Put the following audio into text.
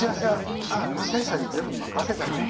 「久石さんに全部任せたから」